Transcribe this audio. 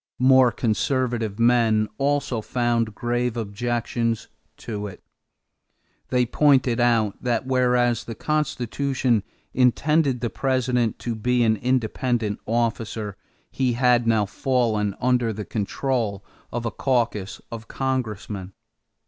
More conservative men also found grave objections to it. They pointed out that, whereas the Constitution intended the President to be an independent officer, he had now fallen under the control of a caucus of congressmen.